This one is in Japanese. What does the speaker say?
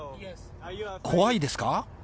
怖いですか？